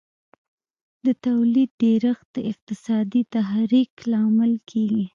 د تولید ډېرښت د اقتصادي تحرک لامل کیږي.